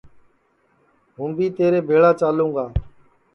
ہوں بی تیرے بھیݪا چالوں گا